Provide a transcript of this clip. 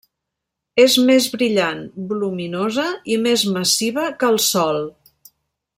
És més brillant, voluminosa i més massiva que el Sol.